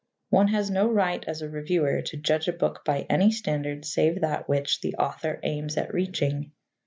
One has no right as a reviewer to judge a book by any standard save that which the author aims at reaching.